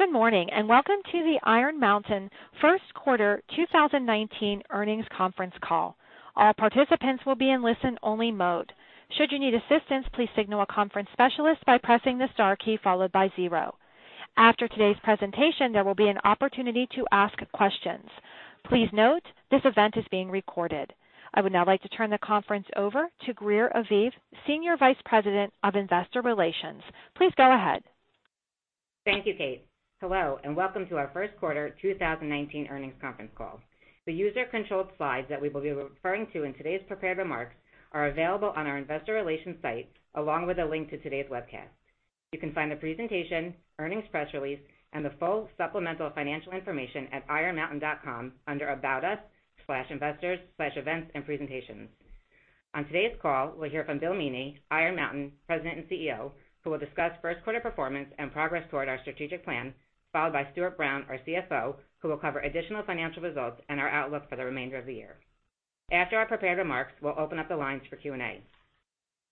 Good morning, welcome to the Iron Mountain first quarter 2019 earnings conference call. All participants will be in listen-only mode. Should you need assistance, please signal a conference specialist by pressing the star key followed by zero. After today's presentation, there will be an opportunity to ask questions. Please note, this event is being recorded. I would now like to turn the conference over to Greer Aviv, Senior Vice President of Investor Relations. Please go ahead. Thank you, Kate. Hello, welcome to our first quarter 2019 earnings conference call. The user-controlled slides that we will be referring to in today's prepared remarks are available on our investor relations site, along with a link to today's webcast. You can find the presentation, earnings press release, and the full supplemental financial information at ironmountain.com under About Us/Investors/Events and Presentations. On today's call, we'll hear from Bill Meaney, Iron Mountain President and CEO, who will discuss first quarter performance and progress toward our strategic plan, followed by Stuart Brown, our CFO, who will cover additional financial results and our outlook for the remainder of the year. After our prepared remarks, we'll open up the lines for Q&A.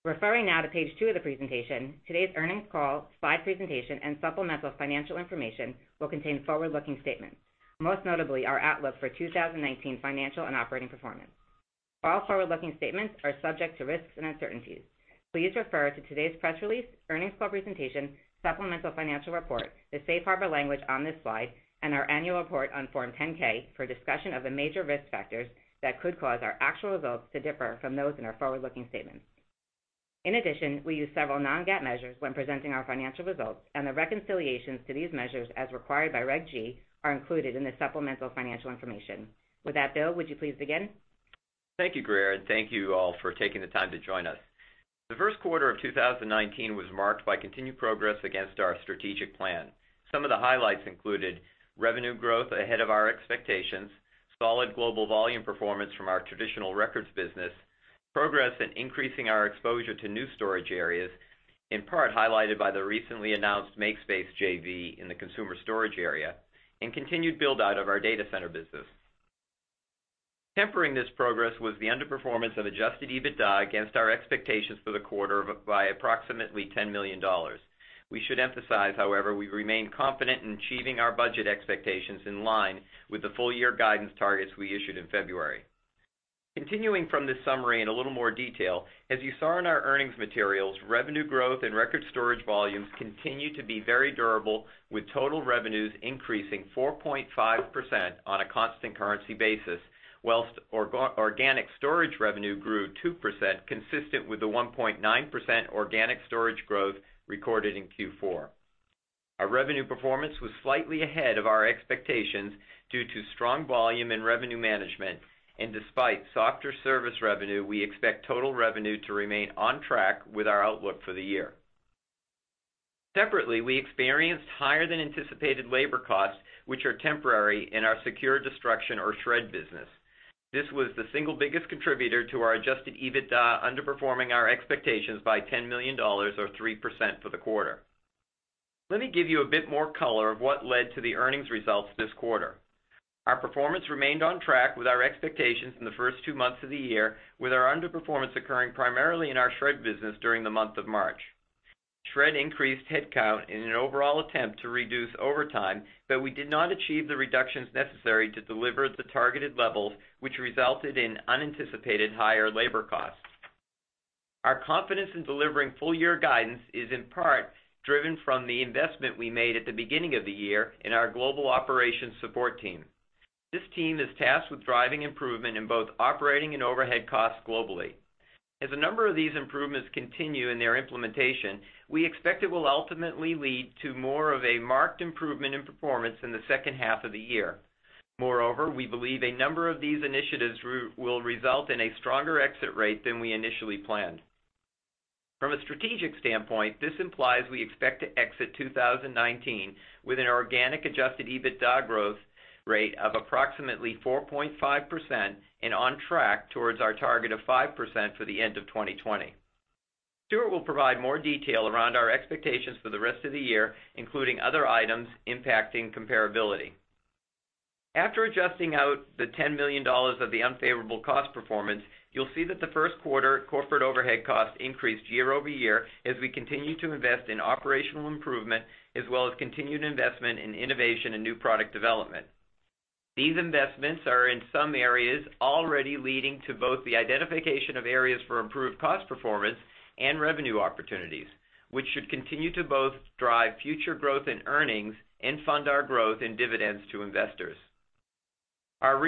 Referring now to page two of the presentation, today's earnings call, slide presentation, and supplemental financial information will contain forward-looking statements, most notably our outlook for 2019 financial and operating performance. All forward-looking statements are subject to risks and uncertainties. Please refer to today's press release, earnings call presentation, supplemental financial report, the safe harbor language on this slide, and our annual report on Form 10-K for a discussion of the major risk factors that could cause our actual results to differ from those in our forward-looking statements. In addition, we use several non-GAAP measures when presenting our financial results, and the reconciliations to these measures, as required by Regulation G, are included in the supplemental financial information. With that, Bill, would you please begin? Thank you, Greer, thank you all for taking the time to join us. The first quarter of 2019 was marked by continued progress against our strategic plan. Some of the highlights included revenue growth ahead of our expectations, solid global volume performance from our traditional records business, progress in increasing our exposure to new storage areas, in part highlighted by the recently announced MakeSpace JV in the consumer storage area, continued build-out of our data center business. Tempering this progress was the underperformance of adjusted EBITDA against our expectations for the quarter by approximately $10 million. We should emphasize, however, we remain confident in achieving our budget expectations in line with the full year guidance targets we issued in February. Continuing from this summary in a little more detail, as you saw in our earnings materials, revenue growth and record storage volumes continue to be very durable with total revenues increasing 4.5% on a constant currency basis, whilst organic storage revenue grew 2%, consistent with the 1.9% organic storage growth recorded in Q4. Our revenue performance was slightly ahead of our expectations due to strong volume and revenue management. Despite softer service revenue, we expect total revenue to remain on track with our outlook for the year. Separately, we experienced higher than anticipated labor costs, which are temporary in our secured destruction or shred business. This was the single biggest contributor to our adjusted EBITDA underperforming our expectations by $10 million or 3% for the quarter. Let me give you a bit more color of what led to the earnings results this quarter. Our performance remained on track with our expectations in the first two months of the year, with our underperformance occurring primarily in our shred business during the month of March. Shred increased headcount in an overall attempt to reduce overtime, but we did not achieve the reductions necessary to deliver the targeted levels, which resulted in unanticipated higher labor costs. Our confidence in delivering full-year guidance is in part driven from the investment we made at the beginning of the year in our global operations support team. This team is tasked with driving improvement in both operating and overhead costs globally. As a number of these improvements continue in their implementation, we expect it will ultimately lead to more of a marked improvement in performance in the second half of the year. Moreover, we believe a number of these initiatives will result in a stronger exit rate than we initially planned. From a strategic standpoint, this implies we expect to exit 2019 with an organic adjusted EBITDA growth rate of approximately 4.5% and on track towards our target of 5% for the end of 2020. Stuart will provide more detail around our expectations for the rest of the year, including other items impacting comparability. After adjusting out the $10 million of the unfavorable cost performance, you'll see that the first quarter corporate overhead costs increased year-over-year as we continue to invest in operational improvement as well as continued investment in innovation and new product development. These investments are in some areas already leading to both the identification of areas for improved cost performance and revenue opportunities, which should continue to both drive future growth in earnings and fund our growth and dividends to investors. One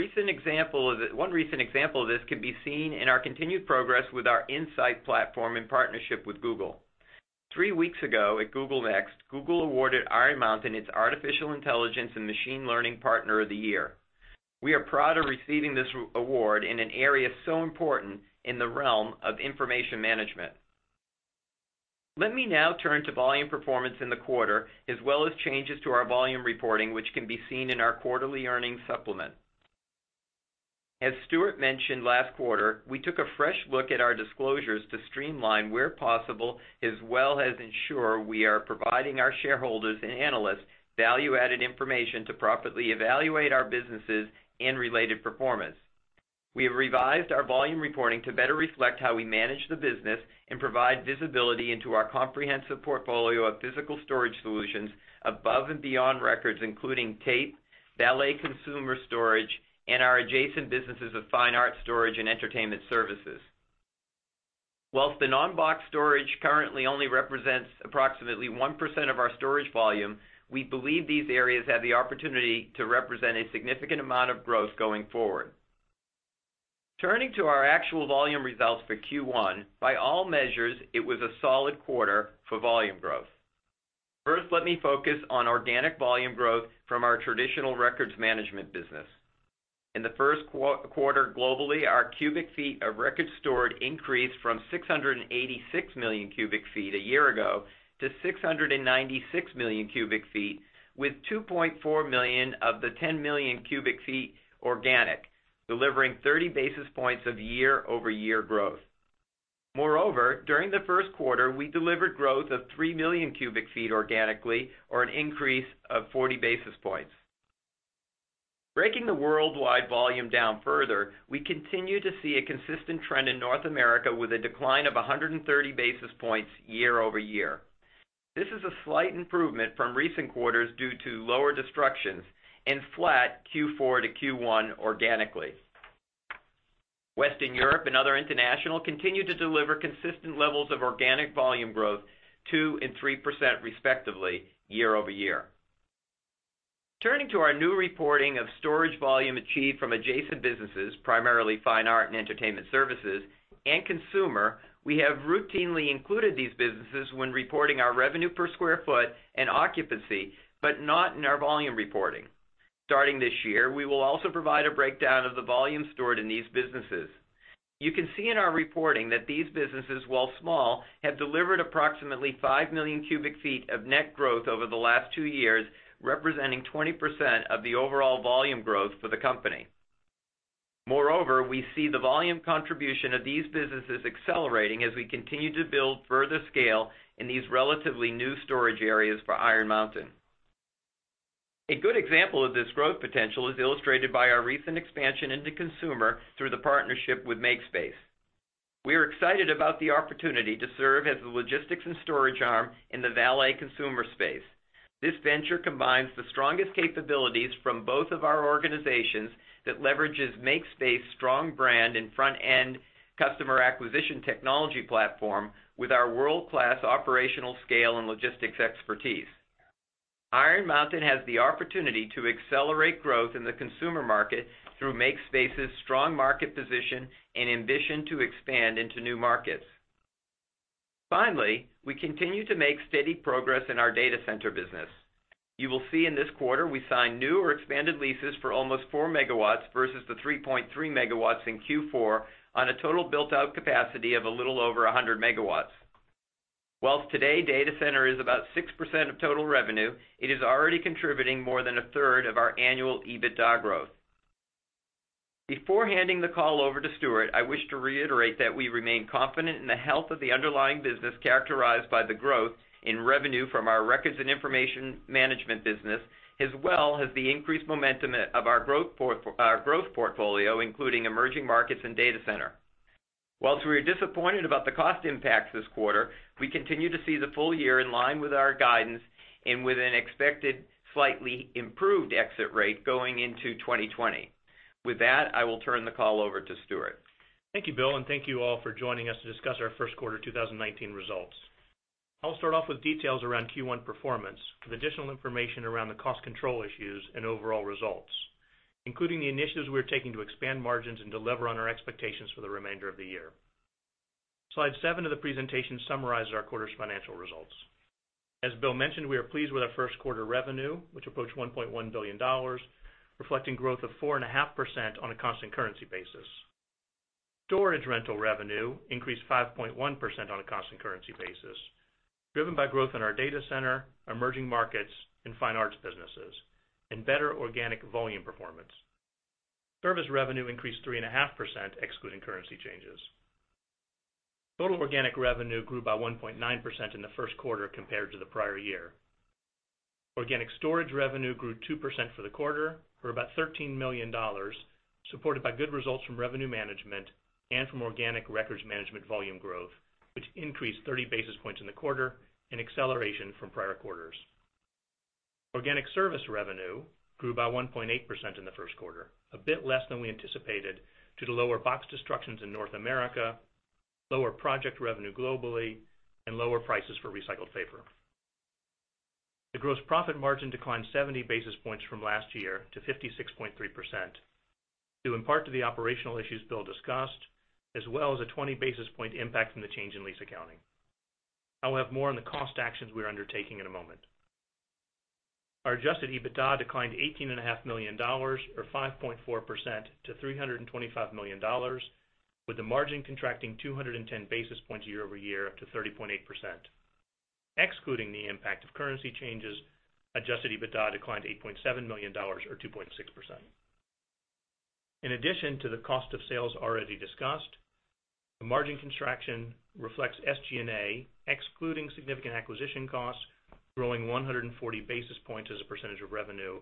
recent example of this can be seen in our continued progress with our InSight platform in partnership with Google. Three weeks ago at Google Next, Google awarded Iron Mountain its Artificial Intelligence and Machine Learning Partner of the Year. We are proud of receiving this award in an area so important in the realm of information management. Let me now turn to volume performance in the quarter as well as changes to our volume reporting, which can be seen in our quarterly earnings supplement. As Stuart mentioned last quarter, we took a fresh look at our disclosures to streamline where possible, as well as ensure we are providing our shareholders and analysts value-added information to properly evaluate our businesses and related performance. We have revised our volume reporting to better reflect how we manage the business and provide visibility into our comprehensive portfolio of physical storage solutions above and beyond records, including tape, valet consumer storage, and our adjacent businesses of fine art storage and entertainment services. Whilst the non-box storage currently only represents approximately 1% of our storage volume, we believe these areas have the opportunity to represent a significant amount of growth going forward. Turning to our actual volume results for Q1, by all measures, it was a solid quarter for volume growth. First, let me focus on organic volume growth from our traditional records management business. In the first quarter globally, our cubic feet of records stored increased from 686 million cubic feet a year ago to 696 million cubic feet, with 2.4 million of the 10 million cubic feet organic, delivering 30 basis points of year-over-year growth. Moreover, during the first quarter, we delivered growth of 3 million cubic feet organically or an increase of 40 basis points. Breaking the worldwide volume down further, we continue to see a consistent trend in North America with a decline of 130 basis points year-over-year. This is a slight improvement from recent quarters due to lower destructions and flat Q4 to Q1 organically. Western Europe and other international continue to deliver consistent levels of organic volume growth 2% and 3% respectively year-over-year. Turning to our new reporting of storage volume achieved from adjacent businesses, primarily fine art and entertainment services and consumer, we have routinely included these businesses when reporting our revenue per square foot and occupancy, but not in our volume reporting. Starting this year, we will also provide a breakdown of the volume stored in these businesses. You can see in our reporting that these businesses, while small, have delivered approximately 5 million cubic feet of net growth over the last two years, representing 20% of the overall volume growth for the company. Moreover, we see the volume contribution of these businesses accelerating as we continue to build further scale in these relatively new storage areas for Iron Mountain. A good example of this growth potential is illustrated by our recent expansion into consumer through the partnership with MakeSpace. We are excited about the opportunity to serve as the logistics and storage arm in the valet consumer space. This venture combines the strongest capabilities from both of our organizations that leverages MakeSpace strong brand in front-end customer acquisition technology platform with our world-class operational scale and logistics expertise. Iron Mountain has the opportunity to accelerate growth in the consumer market through MakeSpace’s strong market position and ambition to expand into new markets. Finally, we continue to make steady progress in our data center business. You will see in this quarter we signed new or expanded leases for almost 4 megawatts versus the 3.3 megawatts in Q4 on a total built-out capacity of a little over 100 megawatts. Whilst today data center is about 6% of total revenue, it is already contributing more than a third of our annual EBITDA growth. Before handing the call over to Stuart, I wish to reiterate that we remain confident in the health of the underlying business characterized by the growth in revenue from our Records and Information Management business, as well as the increased momentum of our growth portfolio, including emerging markets and data center. Whilst we are disappointed about the cost impacts this quarter, we continue to see the full year in line with our guidance and with an expected slightly improved exit rate going into 2020. With that, I will turn the call over to Stuart. Thank you, Bill, and thank you all for joining us to discuss our first quarter 2019 results. I will start off with details around Q1 performance with additional information around the cost control issues and overall results, including the initiatives we are taking to expand margins and deliver on our expectations for the remainder of the year. Slide seven of the presentation summarizes our quarter's financial results. As Bill mentioned, we are pleased with our first quarter revenue, which approached $1.1 billion, reflecting growth of 4.5% on a constant currency basis. Storage rental revenue increased 5.1% on a constant currency basis, driven by growth in our data center, emerging markets, and fine arts businesses, and better organic volume performance. Service revenue increased 3.5%, excluding currency changes. Total organic revenue grew by 1.9% in the first quarter compared to the prior year. Organic storage revenue grew 2% for the quarter for about $13 million, supported by good results from revenue management and from organic Records Management volume growth, which increased 30 basis points in the quarter, an acceleration from prior quarters. Organic service revenue grew by 1.8% in the first quarter, a bit less than we anticipated due to lower box destructions in North America, lower project revenue globally, and lower prices for recycled paper. The gross profit margin declined 70 basis points from last year to 56.3%, due in part to the operational issues Bill discussed, as well as a 20 basis point impact from the change in lease accounting. I will have more on the cost actions we are undertaking in a moment. Our adjusted EBITDA declined $18.5 million or 5.4% to $325 million with the margin contracting 210 basis points year-over-year up to 30.8%. Excluding the impact of currency changes, adjusted EBITDA declined to $8.7 million or 2.6%. In addition to the cost of sales already discussed. The margin contraction reflects SG&A, excluding significant acquisition costs, growing 140 basis points as a percentage of revenue,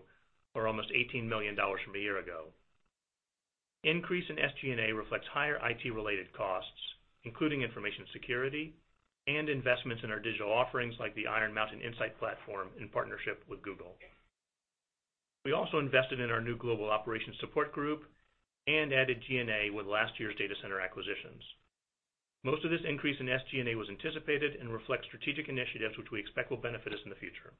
or almost $18 million from a year ago. Increase in SG&A reflects higher IT-related costs, including information security and investments in our digital offerings like the Iron Mountain InSight platform in partnership with Google. We also invested in our new global operation support group and added G&A with last year's data center acquisitions. Most of this increase in SG&A was anticipated and reflects strategic initiatives which we expect will benefit us in the future.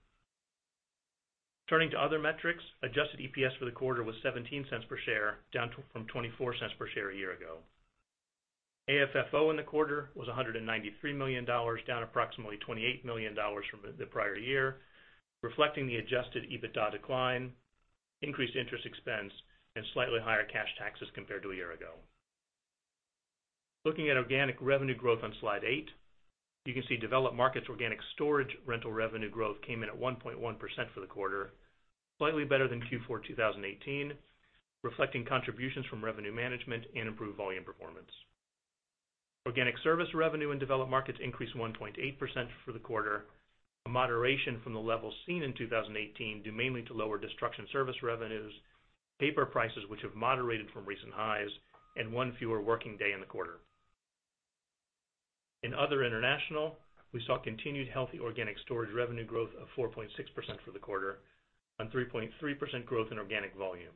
Turning to other metrics, adjusted EPS for the quarter was $0.17 per share, down from $0.24 per share a year ago. AFFO in the quarter was $193 million, down approximately $28 million from the prior year, reflecting the adjusted EBITDA decline, increased interest expense, and slightly higher cash taxes compared to a year ago. Looking at organic revenue growth on slide eight, you can see developed markets organic storage rental revenue growth came in at 1.1% for the quarter, slightly better than Q4 2018, reflecting contributions from revenue management and improved volume performance. Organic service revenue in developed markets increased 1.8% for the quarter, a moderation from the levels seen in 2018, due mainly to lower destruction service revenues, paper prices which have moderated from recent highs, and one fewer working day in the quarter. In other international, we saw continued healthy organic storage revenue growth of 4.6% for the quarter, on 3.3% growth in organic volume.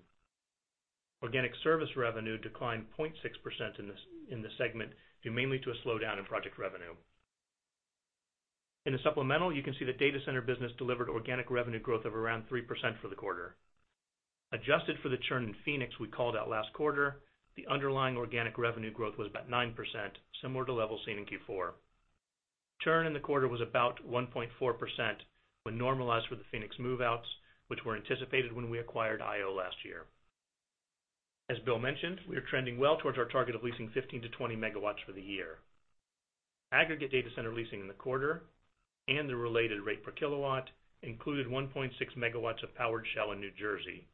Organic service revenue declined 0.6% in this segment, due mainly to a slowdown in project revenue. In the supplemental, you can see the data center business delivered organic revenue growth of around 3% for the quarter. Adjusted for the churn in Phoenix we called out last quarter, the underlying organic revenue growth was about 9%, similar to levels seen in Q4. Churn in the quarter was about 1.4% when normalized for the Phoenix move-outs, which were anticipated when we acquired IO last year. As Bill mentioned, we are trending well towards our target of leasing 15-20 megawatts for the year. Aggregate data center leasing in the quarter and the related rate per kilowatt included 1.6 megawatts of powered shell in New Jersey,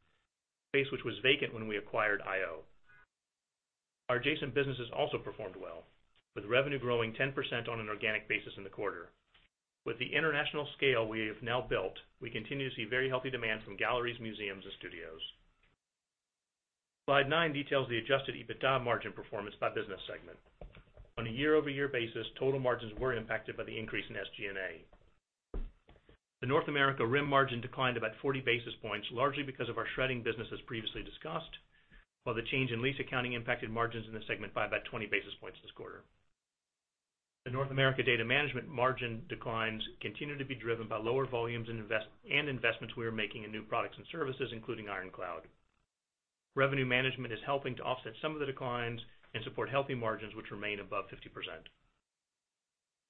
space which was vacant when we acquired IO. Our adjacent businesses also performed well, with revenue growing 10% on an organic basis in the quarter. With the international scale we have now built, we continue to see very healthy demand from galleries, museums, and studios. Slide nine details the adjusted EBITDA margin performance by business segment. On a year-over-year basis, total margins were impacted by the increase in SG&A. The North America RIM margin declined about 40 basis points, largely because of our shredding business, as previously discussed, while the change in lease accounting impacted margins in the segment by about 20 basis points this quarter. The North America data management margin declines continue to be driven by lower volumes and investments we are making in new products and services, including Iron Cloud. Revenue management is helping to offset some of the declines and support healthy margins, which remain above 50%.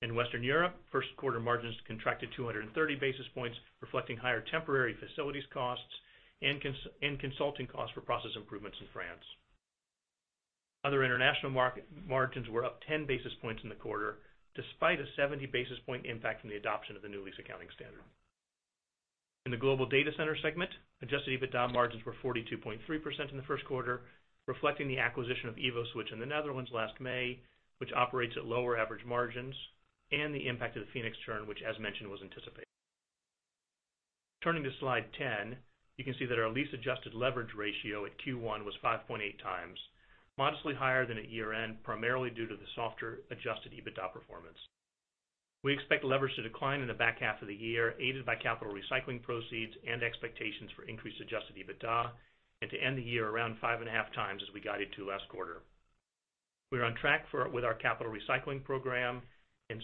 In Western Europe, first quarter margins contracted 230 basis points, reflecting higher temporary facilities costs and consulting costs for process improvements in France. Other international margins were up 10 basis points in the quarter, despite a 70 basis point impact from the adoption of the new lease accounting standard. In the global data center segment, adjusted EBITDA margins were 42.3% in the first quarter, reflecting the acquisition of EvoSwitch in the Netherlands last May, which operates at lower average margins, and the impact of the Phoenix churn, which as mentioned, was anticipated. Turning to slide 10, you can see that our lease adjusted leverage ratio at Q1 was 5.8 times, modestly higher than at year-end, primarily due to the softer adjusted EBITDA performance. We expect leverage to decline in the back half of the year, aided by capital recycling proceeds and expectations for increased adjusted EBITDA, and to end the year around five and a half times as we guided to last quarter. We are on track with our capital recycling program,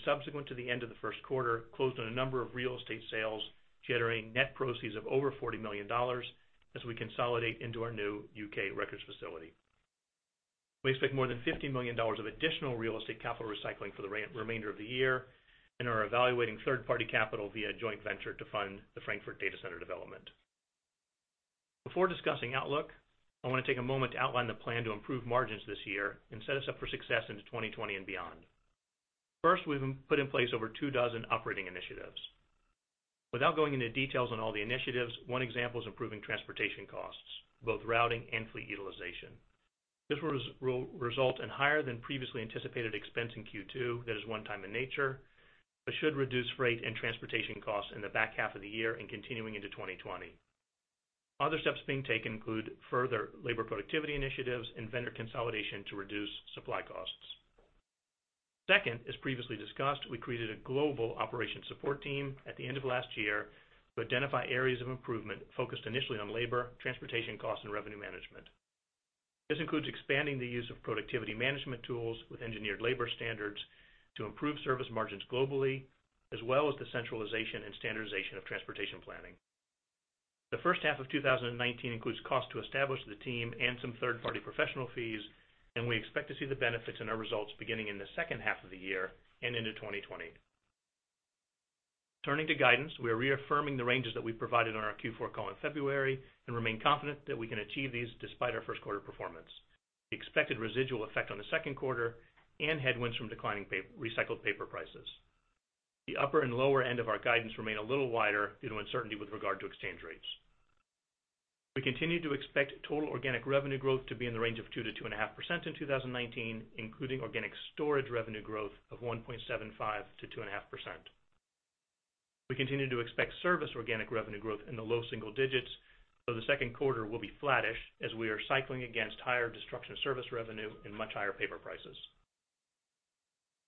subsequent to the end of the first quarter, closed on a number of real estate sales, generating net proceeds of over $40 million as we consolidate into our new U.K. records facility. We expect more than $50 million of additional real estate capital recycling for the remainder of the year and are evaluating third-party capital via a joint venture to fund the Frankfurt data center development. Before discussing outlook, I want to take a moment to outline the plan to improve margins this year and set us up for success into 2020 and beyond. First, we've put in place over two dozen operating initiatives. Without going into details on all the initiatives, one example is improving transportation costs, both routing and fleet utilization. This will result in higher than previously anticipated expense in Q2 that is one-time in nature, should reduce freight and transportation costs in the back half of the year and continuing into 2020. Other steps being taken include further labor productivity initiatives and vendor consolidation to reduce supply costs. Second, as previously discussed, we created a global operation support team at the end of last year to identify areas of improvement focused initially on labor, transportation costs, and revenue management. This includes expanding the use of productivity management tools with engineered labor standards to improve service margins globally, as well as the centralization and standardization of transportation planning. The first half of 2019 includes costs to establish the team and some third-party professional fees, we expect to see the benefits in our results beginning in the second half of the year and into 2020. Turning to guidance, we are reaffirming the ranges that we provided on our Q4 call in February and remain confident that we can achieve these despite our first quarter performance, the expected residual effect on the second quarter, and headwinds from declining recycled paper prices. The upper and lower end of our guidance remain a little wider due to uncertainty with regard to exchange rates. We continue to expect total organic revenue growth to be in the range of 2%-2.5% in 2019, including organic storage revenue growth of 1.75%-2.5%. We continue to expect service organic revenue growth in the low single digits, though the second quarter will be flattish as we are cycling against higher destruction service revenue and much higher paper prices.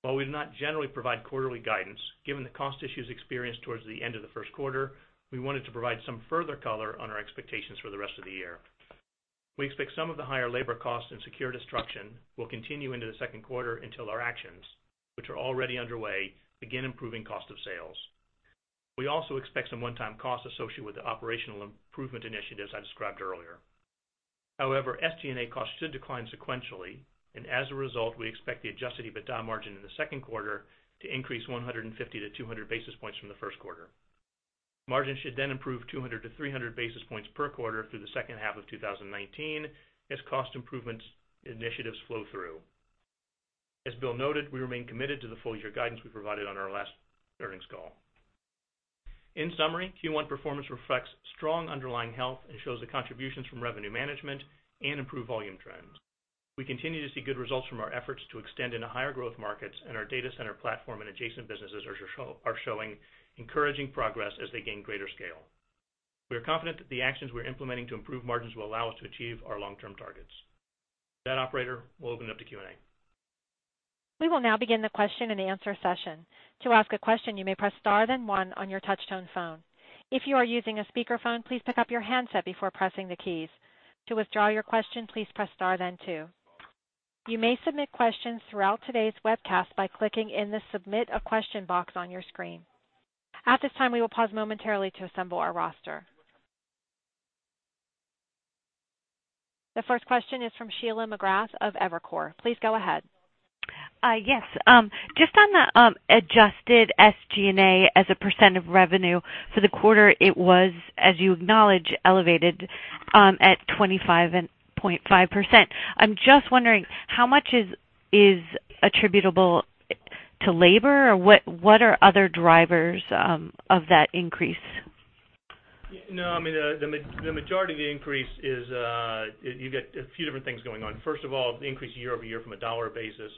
While we do not generally provide quarterly guidance, given the cost issues experienced towards the end of the first quarter, we wanted to provide some further color on our expectations for the rest of the year. We expect some of the higher labor costs and secure destruction will continue into the second quarter until our actions, which are already underway, begin improving cost of sales. We also expect some one-time costs associated with the operational improvement initiatives I described earlier. However, SG&A costs should decline sequentially, as a result, we expect the adjusted EBITDA margin in the second quarter to increase 150-200 basis points from the first quarter. Margins should improve 200-300 basis points per quarter through the second half of 2019 as cost improvement initiatives flow through. As Bill noted, we remain committed to the full-year guidance we provided on our last earnings call. In summary, Q1 performance reflects strong underlying health and shows the contributions from revenue management and improved volume trends. We continue to see good results from our efforts to extend into higher growth markets, and our data center platform and adjacent businesses are showing encouraging progress as they gain greater scale. We are confident that the actions we're implementing to improve margins will allow us to achieve our long-term targets. With that, operator, we'll open up to Q&A. We will now begin the question and answer session. To ask a question, you may press star, then one on your touch-tone phone. If you are using a speakerphone, please pick up your handset before pressing the keys. To withdraw your question, please press star, then two. You may submit questions throughout today's webcast by clicking in the Submit a Question box on your screen. At this time, we will pause momentarily to assemble our roster. The first question is from Sheila McGrath of Evercore. Please go ahead. Yes. Just on the adjusted SG&A as a % of revenue for the quarter, it was, as you acknowledge, elevated at 25.5%. I'm just wondering, how much is attributable to labor, or what are other drivers of that increase? No, the majority of the increase is you get a few different things going on. First of all, the increase year-over-year from a dollar basis.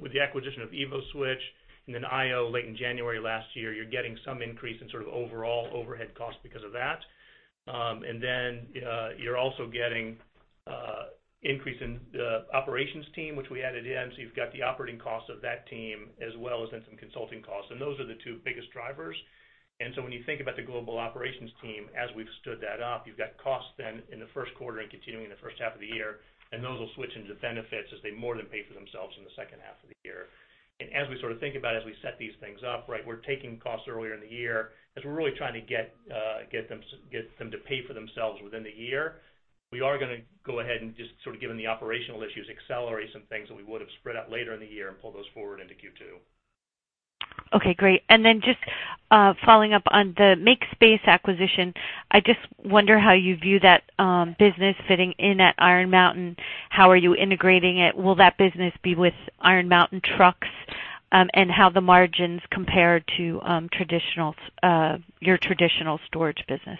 With the acquisition of EvoSwitch and then IO late in January last year, you're getting some increase in sort of overall overhead cost because of that. Then you're also getting increase in the operations team, which we added in. You've got the operating cost of that team as well as in some consulting costs. Those are the two biggest drivers. When you think about the global operations team, as we've stood that up, you've got costs then in the first quarter and continuing in the first half of the year, and those will switch into benefits as they more than pay for themselves in the second half of the year. As we sort of think about as we set these things up, we're taking costs earlier in the year as we're really trying to get them to pay for themselves within the year. We are going to go ahead and just sort of given the operational issues, accelerate some things that we would have spread out later in the year and pull those forward into Q2. Okay, great. Then just following up on the MakeSpace acquisition, I just wonder how you view that business fitting in at Iron Mountain. How are you integrating it? Will that business be with Iron Mountain trucks? How the margins compare to your traditional storage business.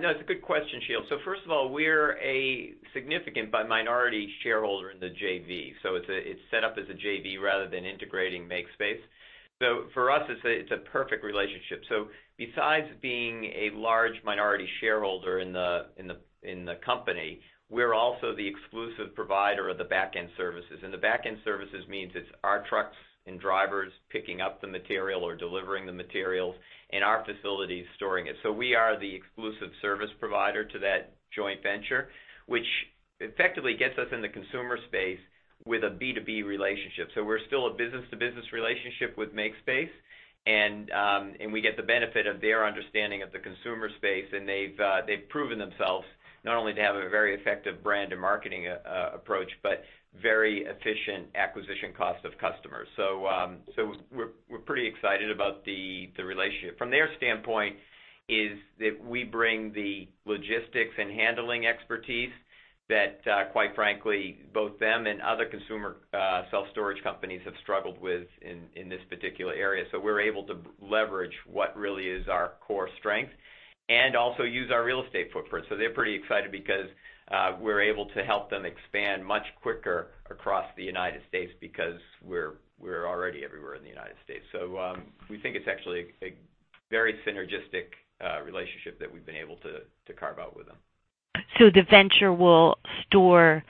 No, it's a good question, Sheila. First of all, we're a significant but minority shareholder in the JV. It's set up as a JV rather than integrating MakeSpace. For us, it's a perfect relationship. Besides being a large minority shareholder in the company, we're also the exclusive provider of the back-end services. The back-end services means it's our trucks and drivers picking up the material or delivering the materials and our facilities storing it. We are the exclusive service provider to that joint venture, which effectively gets us in the consumer space with a B2B relationship. We're still a business-to-business relationship with MakeSpace, and we get the benefit of their understanding of the consumer space. They've proven themselves not only to have a very effective brand and marketing approach, but very efficient acquisition cost of customers. We're pretty excited about the relationship. From their standpoint is that we bring the logistics and handling expertise that quite frankly, both them and other consumer self-storage companies have struggled with in this particular area. We're able to leverage what really is our core strength and also use our real estate footprint. They're pretty excited because we're able to help them expand much quicker across the United States because we're already everywhere in the United States. We think it's actually a very synergistic relationship that we've been able to carve out with them. The venture will store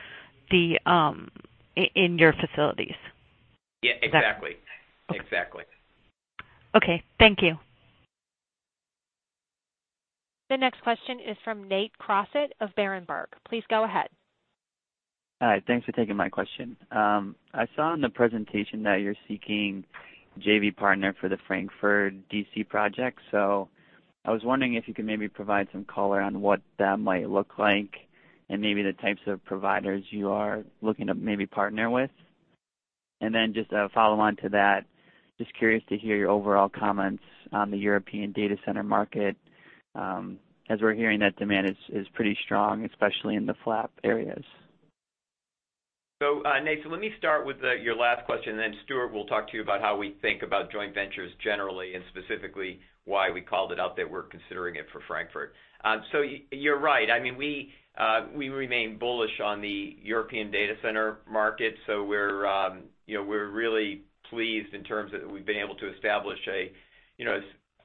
in your facilities? Yeah, exactly. Okay. Thank you. The next question is from Nate Crossett of Berenberg. Please go ahead. Hi. Thanks for taking my question. I saw in the presentation that you're seeking JV partner for the Frankfurt DC project. I was wondering if you could maybe provide some color on what that might look like and maybe the types of providers you are looking to maybe partner with. Just a follow-on to that, just curious to hear your overall comments on the European data center market, as we're hearing that demand is pretty strong, especially in the FLAP areas. Nate, let me start with your last question, and then Stuart will talk to you about how we think about joint ventures generally, and specifically why we called it out that we're considering it for Frankfurt. You're right. We remain bullish on the European data center market. We're really pleased in terms of we've been able to establish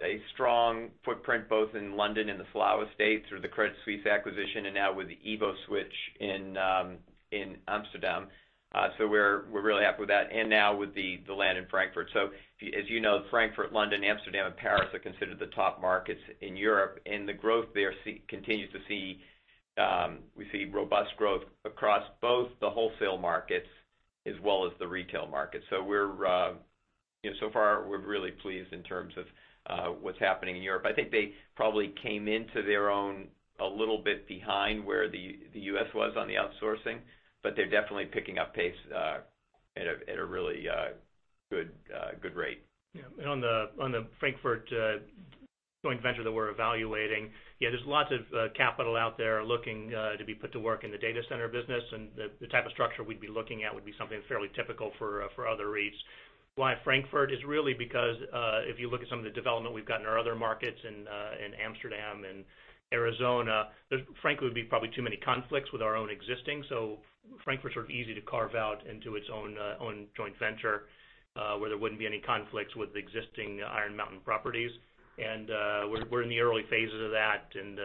a strong footprint both in London and the[ Flowa States through the Credit Suisse acquisition and now with the EvoSwitch in Amsterdam. We're really happy with that, and now with the land in Frankfurt. As you know, Frankfurt, London, Amsterdam, and Paris are considered the top markets in Europe, and the growth there continues. We see robust growth across both the wholesale markets as well as the retail markets. So far, we're really pleased in terms of what's happening in Europe. I think they probably came into their own a little bit behind where the U.S. was on the outsourcing, but they're definitely picking up pace at a really good rate. Yeah. On the Frankfurt joint venture that we're evaluating, yeah, there's lots of capital out there looking to be put to work in the data center business, and the type of structure we'd be looking at would be something fairly typical for other REITs. Why Frankfurt is really because, if you look at some of the development we've got in our other markets in Amsterdam and Arizona, there frankly would be probably too many conflicts with our own existing. Frankfurt's sort of easy to carve out into its own joint venture, where there wouldn't be any conflicts with the existing Iron Mountain properties. We're in the early phases of that, and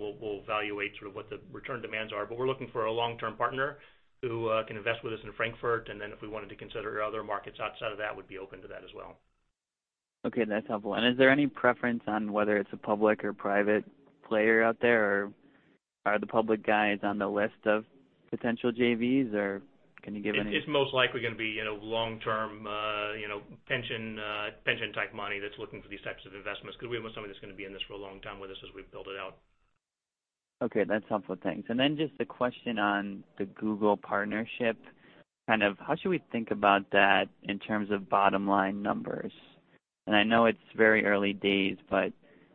we'll evaluate sort of what the return demands are. We're looking for a long-term partner who can invest with us in Frankfurt, then if we wanted to consider other markets outside of that, would be open to that as well. Okay, that's helpful. Is there any preference on whether it's a public or private player out there, or are the public guys on the list of potential JVs, or can you give any? It's most likely going to be long-term pension-type money that's looking for these types of investments, because we want somebody that's going to be in this for a long time with us as we build it out. Okay, that's helpful. Thanks. Just a question on the Google partnership. How should we think about that in terms of bottom-line numbers? I know it's very early days, but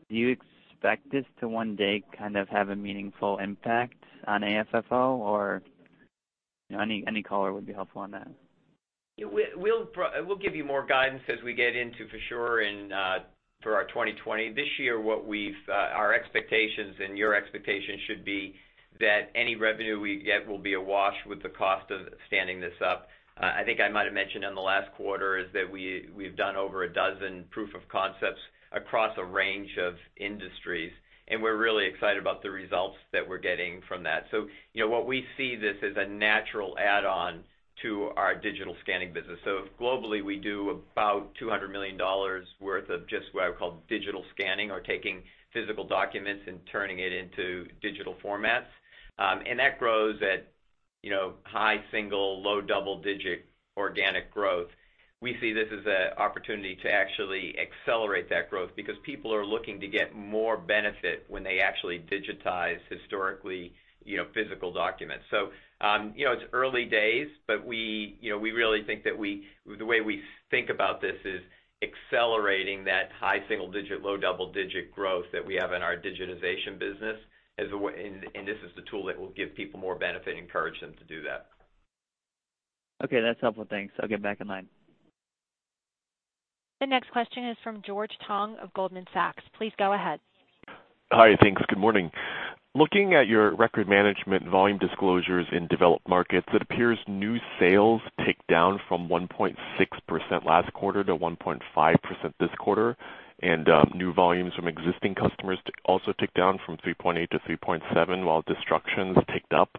do you expect this to one day kind of have a meaningful impact on AFFO or any color would be helpful on that. We'll give you more guidance as we get into, for sure, for our 2020. This year, what our expectations and your expectations should be that any revenue we get will be a wash with the cost of standing this up. I think I might have mentioned in the last quarter is that we've done over 12 proof of concepts across a range of industries, and we're really excited about the results that we're getting from that. What we see, this is a natural add-on to our digital scanning business. If globally we do about $200 million worth of just what I would call digital scanning or taking physical documents and turning it into digital formats. That grows at high single-digit, low double-digit organic growth. We see this as an opportunity to actually accelerate that growth because people are looking to get more benefit when they actually digitize historically physical documents. It's early days, but the way we think about this is accelerating that high single-digit, low double-digit growth that we have in our digitization business, and this is the tool that will give people more benefit and encourage them to do that. Okay, that's helpful. Thanks. I'll get back in line. The next question is from George Tong of Goldman Sachs. Please go ahead. Hi. Thanks. Good morning. Looking at your record management volume disclosures in developed markets, it appears new sales ticked down from 1.6% last quarter to 1.5% this quarter, and new volumes from existing customers also ticked down from 3.8% to 3.7%, while destructions ticked up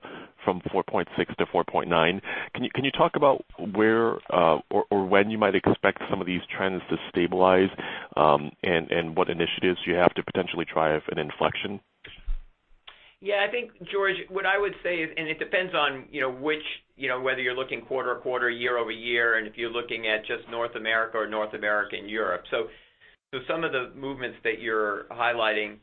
from 4.6% to 4.9%. Can you talk about where or when you might expect some of these trends to stabilize, and what initiatives do you have to potentially drive an inflection? I think, George, what I would say is, it depends on whether you're looking quarter-over-quarter, year-over-year, and if you're looking at just North America or North America and Europe. Some of the movements that you're highlighting,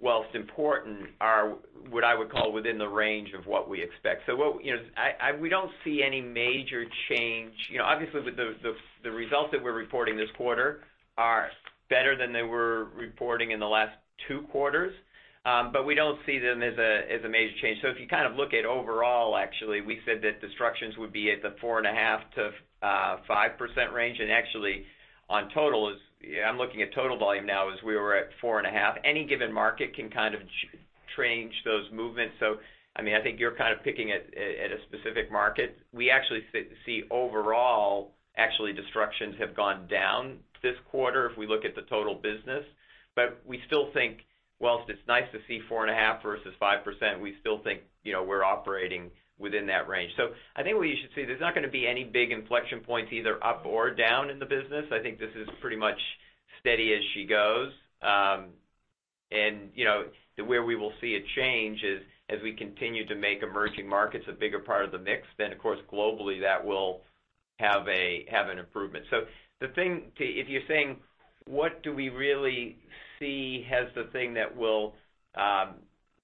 whilst important, are what I would call within the range of what we expect. We don't see any major change. Obviously, the results that we're reporting this quarter are better than they were reporting in the last two quarters, but we don't see them as a major change. If you kind of look at overall, actually, we said that destructions would be at the 4.5%-5% range. Actually, I'm looking at total volume now as we were at 4.5%. Any given market can kind of change those movements. I think you're kind of picking at a specific market. We actually see overall, actually, destructions have gone down this quarter if we look at the total business. We still think whilst it's nice to see 4.5% versus 5%, we still think we're operating within that range. I think what you should see, there's not going to be any big inflection points either up or down in the business. I think this is pretty much steady as she goes. Where we will see a change is as we continue to make emerging markets a bigger part of the mix, of course, globally, that will have an improvement. If you're saying, what do we really see as the thing that will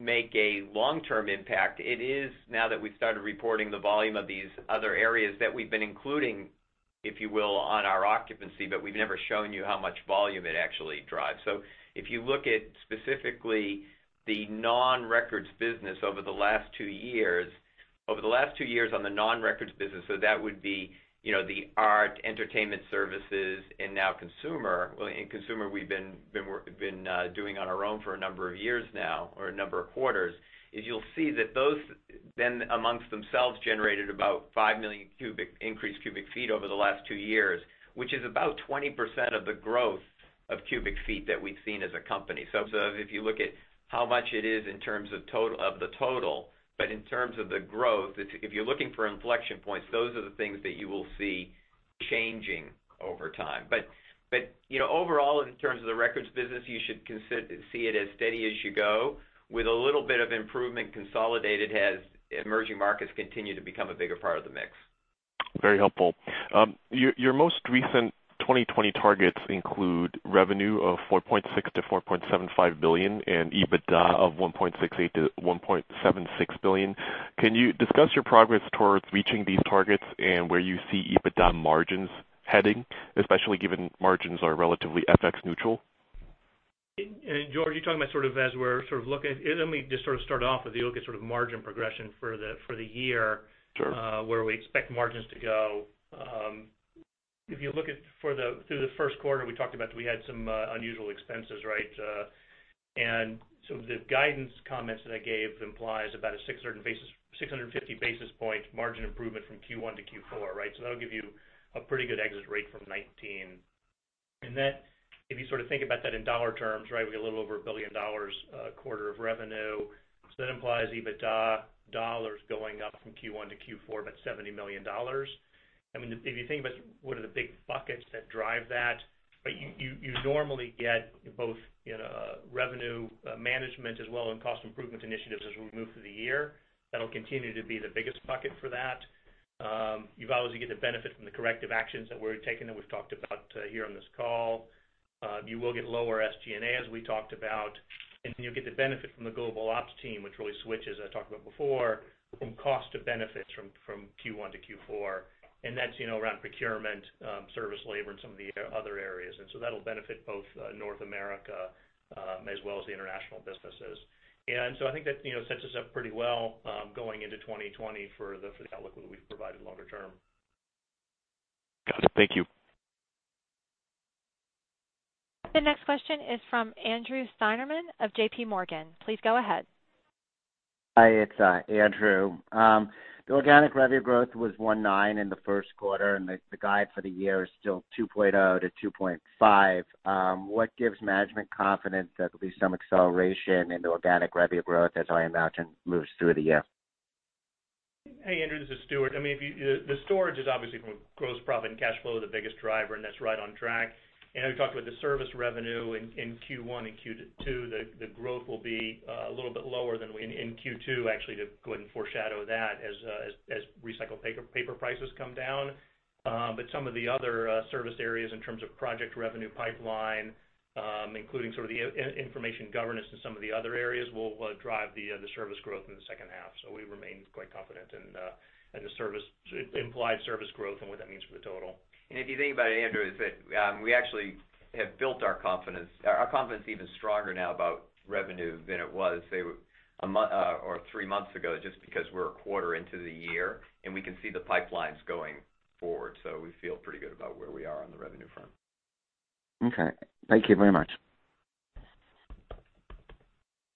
make a long-term impact? It is now that we've started reporting the volume of these other areas that we've been including, if you will, on our occupancy, but we've never shown you how much volume it actually drives. If you look at specifically the non-Records business over the last two years, over the last two years on the non-Records business, that would be the art entertainment services and now consumer. In consumer, we've been doing on our own for a number of years now, or a number of quarters, you'll see that those then amongst themselves generated about 5 million increased cubic feet over the last two years, which is about 20% of the growth of cubic feet that we've seen as a company. If you look at how much it is in terms of the total, in terms of the growth, if you're looking for inflection points, those are the things that you will see changing over time. Overall, in terms of the records business, you should see it as steady as you go with a little bit of improvement consolidated as emerging markets continue to become a bigger part of the mix. Very helpful. Your most recent 2020 targets include revenue of $4.6 billion-$4.75 billion and EBITDA of $1.68 billion-$1.76 billion. Can you discuss your progress towards reaching these targets and where you see EBITDA margins heading, especially given margins are relatively FX neutral? George, you're talking about as we're sort of looking. Let me just start off with you look at margin progression for the year- Sure Where we expect margins to go. If you look at through the first quarter, we talked about that we had some unusual expenses, right? The guidance comments that I gave implies about a 650 basis point margin improvement from Q1 to Q4, right? That'll give you a pretty good exit rate from 2019. If you think about that in dollar terms, right, we get a little over $1 billion a quarter of revenue. That implies EBITDA dollars going up from Q1 to Q4 by $70 million. If you think about what are the big buckets that drive that, you normally get both revenue management as well and cost improvement initiatives as we move through the year. That'll continue to be the biggest bucket for that. You've obviously get the benefit from the corrective actions that we're taking that we've talked about here on this call. You will get lower SG&A, as we talked about, and you'll get the benefit from the global ops team, which really switches, I talked about before, from cost to benefits from Q1 to Q4, and that's around procurement, service, labor, and some of the other areas. That'll benefit both North America, as well as the international businesses. I think that sets us up pretty well, going into 2020 for the outlook that we've provided longer term. Got it. Thank you. The next question is from Andrew Steinerman of JPMorgan. Please go ahead. Hi, it's Andrew. The organic revenue growth was 1.9 in the first quarter, and the guide for the year is still 2.0 to 2.5. What gives management confidence that there'll be some acceleration into organic revenue growth as I imagine moves through the year? Hey, Andrew, this is Stuart. The storage is obviously from a gross profit and cash flow, the biggest driver, that's right on track. We talked about the service revenue in Q1 and Q2, the growth will be a little bit lower than in Q2, actually, to go ahead and foreshadow that as recycled paper prices come down. Some of the other service areas in terms of project revenue pipeline, including sort of the information governance and some of the other areas, will drive the service growth in the second half. We remain quite confident in the implied service growth and what that means for the total. If you think about it, Andrew, is that we actually have built our confidence. Our confidence is even stronger now about revenue than it was, say, three months ago, just because we're a quarter into the year, and we can see the pipelines going forward. We feel pretty good about where we are on the revenue front. Okay. Thank you very much.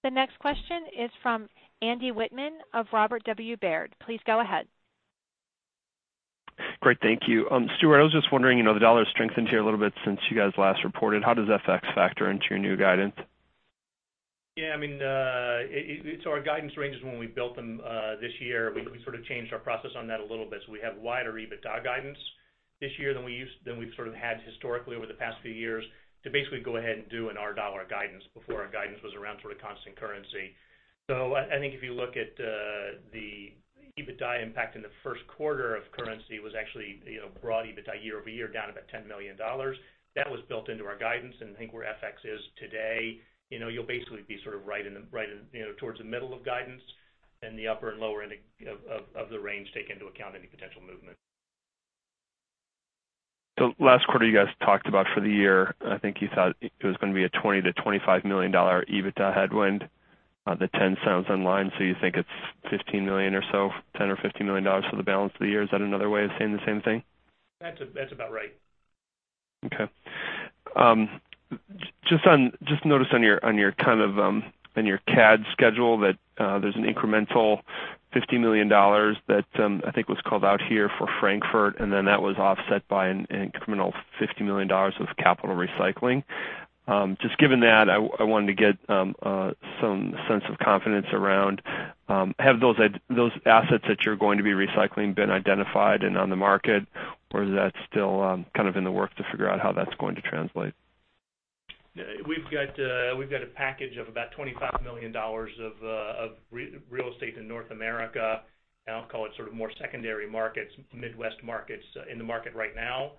The next question is from Andy Wittmann of Robert W. Baird. Please go ahead. Great. Thank you. Stuart, I was just wondering, the dollar strengthened here a little bit since you guys last reported. How does FX factor into your new guidance? Yeah, our guidance ranges when we built them, this year, we sort of changed our process on that a little bit. We have wider EBITDA guidance this year than we've sort of had historically over the past few years to basically go ahead and do an our dollar guidance before our guidance was around sort of constant currency. I think if you look at the EBITDA impact in the first quarter of currency was actually broad EBITDA year-over-year down about $10 million. That was built into our guidance. I think where FX is today, you'll basically be sort of right towards the middle of guidance and the upper and lower end of the range take into account any potential movement. Last quarter you guys talked about for the year, I think you thought it was going to be a $20 million-$25 million EBITDA headwind. The 10 sounds in line, you think it's $15 million or so, $10 or $15 million for the balance of the year. Is that another way of saying the same thing? That's about right. Okay. Just noticed on your kind of CAD schedule that there's an incremental $50 million that I think was called out here for Frankfurt. That was offset by an incremental $50 million of capital recycling. Just given that, I wanted to get some sense of confidence around, have those assets that you're going to be recycling been identified and on the market, or is that still kind of in the work to figure out how that's going to translate? We've got a package of about $25 million of real estate in North America. I'll call it sort of more secondary markets, Midwest markets in the market right now.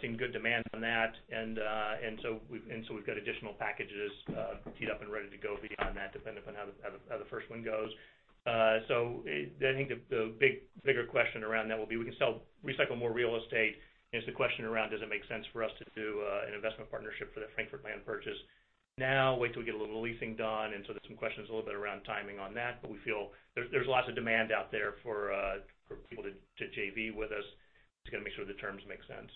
Seen good demand on that. We've got additional packages teed up and ready to go beyond that, depending on how the first one goes. I think the bigger question around that will be we can recycle more real estate, is the question around, does it make sense for us to do an investment partnership for that Frankfurt land purchase now, or wait till we get a little leasing done? There's some questions a little bit around timing on that. We feel there's lots of demand out there for people to JV with us. Just got to make sure the terms make sense.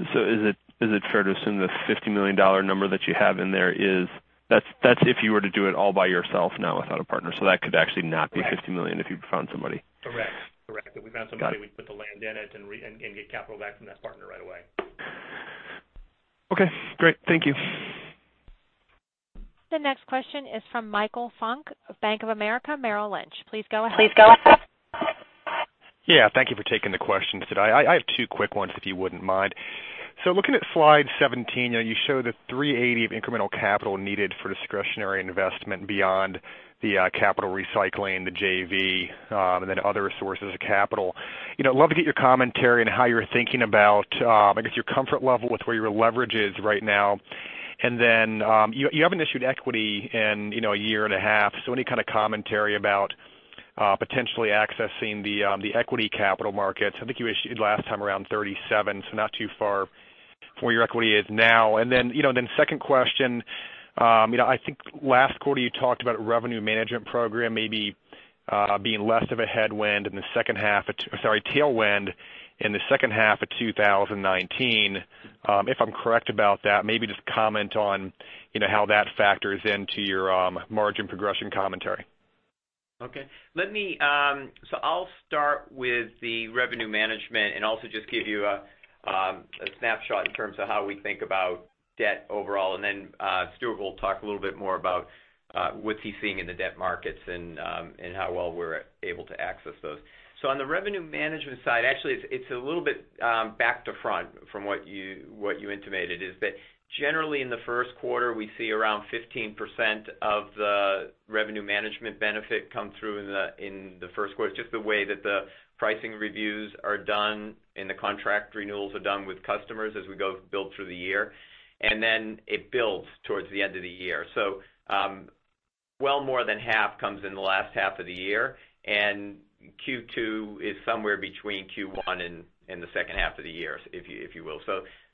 Is it fair to assume the $50 million number that you have in there is, that's if you were to do it all by yourself now without a partner. That could actually not be. Right $50 million if you found somebody. Correct. If we found somebody. Got it. We'd put the land in it and get capital back from that partner right away. Okay, great. Thank you. The next question is from Michael Funk of Bank of America Merrill Lynch. Please go ahead. Thank you for taking the questions today. I have two quick ones, if you wouldn't mind. Looking at slide 17, you show the $380 of incremental capital needed for discretionary investment beyond the capital recycling, the JV, and other sources of capital. Love to get your commentary on how you're thinking about, I guess, your comfort level with where your leverage is right now. You haven't issued equity in a year and a half, so any kind of commentary about potentially accessing the equity capital markets? I think you issued last time around $37, so not too far from where your equity is now. Second question, I think last quarter you talked about a revenue management program maybe being less of a headwind in the second half, sorry, tailwind in the second half of 2019. If I'm correct about that, maybe just comment on how that factors into your margin progression commentary. Okay. I'll start with the revenue management and also just give you a snapshot in terms of how we think about debt overall, and then Stuart will talk a little bit more about what he's seeing in the debt markets and how well we're able to access those. On the revenue management side, actually, it's a little bit back to front from what you intimated, is that generally in the first quarter, we see around 15% of the revenue management benefit come through in the first quarter. It's just the way that the pricing reviews are done and the contract renewals are done with customers as we go build through the year. Then it builds towards the end of the year. Well more than half comes in the last half of the year, and Q2 is somewhere between Q1 and the second half of the year, if you will.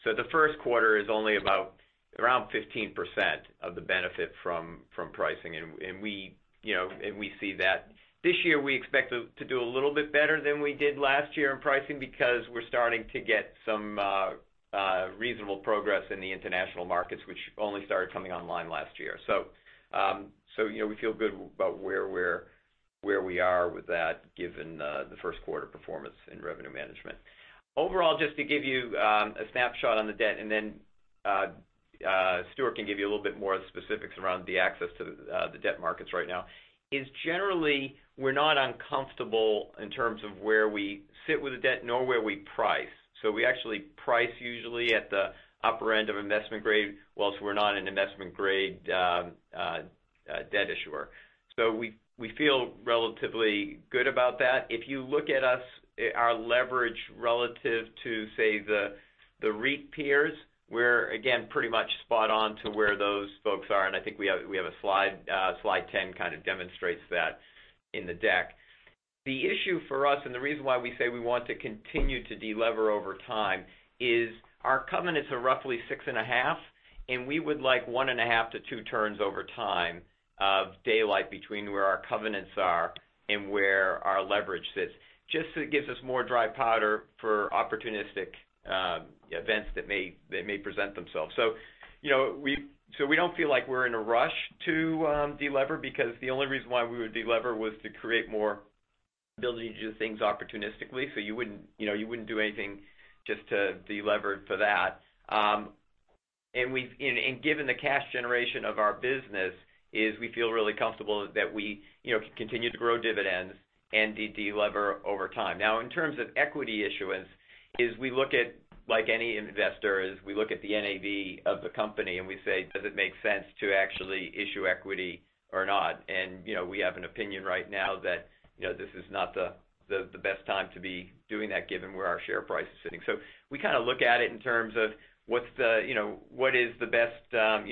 The first quarter is only about around 15% of the benefit from pricing, and we see that. This year, we expect to do a little bit better than we did last year in pricing because we're starting to get some reasonable progress in the international markets, which only started coming online last year. We feel good about where we are with that given the first quarter performance in revenue management. Overall, just to give you a snapshot on the debt, and then Stuart can give you a little bit more specifics around the access to the debt markets right now, is generally we're not uncomfortable in terms of where we sit with the debt nor where we price. We actually price usually at the upper end of investment grade, whilst we're not an investment grade debt issuer. We feel relatively good about that. If you look at us, our leverage relative to, say, the REIT peers, we're again, pretty much spot on to where those folks are, and I think we have a slide 10 kind of demonstrates that in the deck. The issue for us, and the reason why we say we want to continue to de-lever over time is our covenants are roughly 6.5, and we would like 1.5-2 turns over time of daylight between where our covenants are and where our leverage sits. Just so it gives us more dry powder for opportunistic events that may present themselves. We don't feel like we're in a rush to de-lever, because the only reason why we would de-lever was to create more ability to do things opportunistically. You wouldn't do anything just to de-lever for that. Given the cash generation of our business is we feel really comfortable that we can continue to grow dividends and de-lever over time. Now, in terms of equity issuance, is we look at, like any investors, we look at the NAV of the company, and we say, does it make sense to actually issue equity or not? We have an opinion right now that this is not the best time to be doing that given where our share price is sitting. We kind of look at it in terms of what is the best